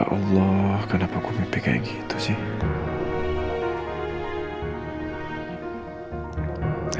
ya allah kenapa kok mimpi kayak gitu sih